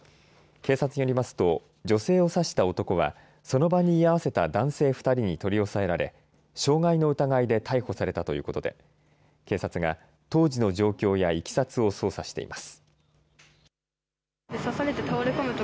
警察によりますと、女性を刺した男は、その場に居合わせた男性２人に取り押さえられ、傷害の疑いで逮捕されたということで、警察が当時の状況やいきさつを捜査しています。